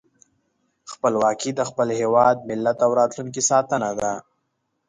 خپلواکي د خپل هېواد، ملت او راتلونکي ساتنه ده.